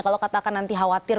kalau katakan nanti khawatir